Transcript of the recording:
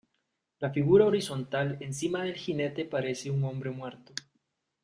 La figura horizontal encima del jinete parece un hombre muerto.